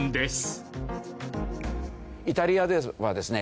イタリアではですね